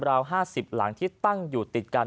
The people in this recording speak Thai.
ราว๕๐หลังที่ตั้งอยู่ติดกัน